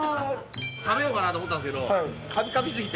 食べようかなと思ったんですけど、かぴかぴすぎて。